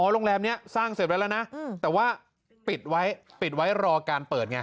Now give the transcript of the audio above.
โรงแรมนี้สร้างเสร็จไว้แล้วนะแต่ว่าปิดไว้ปิดไว้รอการเปิดไง